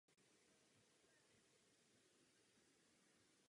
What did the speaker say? Je autorem řady hudebních kritik a studií a několika rozhlasových pořadů.